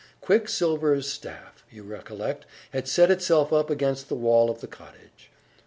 Quicksilver's staff, you recollect, had set itself up against the wall of the cottage.